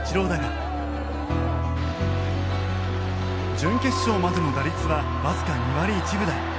準決勝までの打率はわずか２割１分台。